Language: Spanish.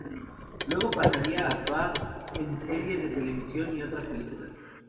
Luego pasaría a actuar en series de televisión y otras películas.